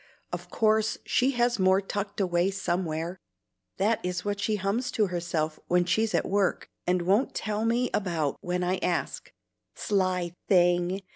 Of course she has more tucked away somewhere. That is what she hums to herself when she's at work, and won't tell me about when I ask. Sly thing!